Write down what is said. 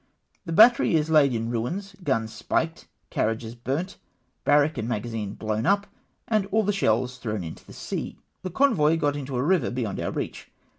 The battery is laid in ruins — guns spiked — carriages burnt — barrack and magazine blown up, and all the shells thrown into the sea. The convoy got into a river beyond our reach.